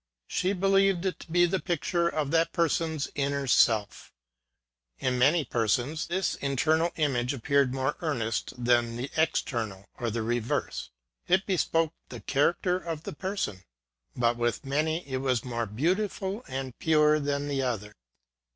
She believed it to be the picture of that person's inner self. In many persons, this internal image appeared more earnest than the external, or the re verse : it bespoke the character of the person ; but, with many, it was more beautiful and pure than the other.